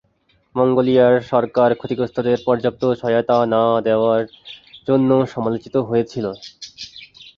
Mongolia সরকার ক্ষতিগ্রস্তদের পর্যাপ্ত সহায়তা না দেওয়ার জন্য সমালোচিত হয়েছে।